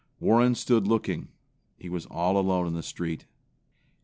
Warren stood looking. He was all alone in the street.